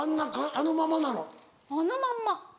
あのまま？